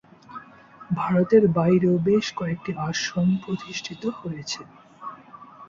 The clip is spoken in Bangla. ভারতের বাইরেও বেশ কয়েকটি আশ্রম প্রতিষ্ঠিত হয়েছে।